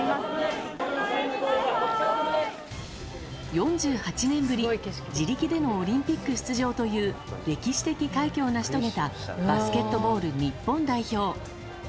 ４８年ぶり、自力でのオリンピック出場という歴史的快挙を成し遂げたバスケットボール日本代表。